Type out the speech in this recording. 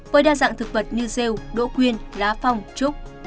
với đa dạng thực vật như rêu đỗ quyên lá phong trúc